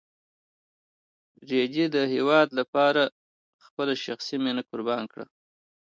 رېدي د هېواد لپاره خپله شخصي مینه قربان کړه.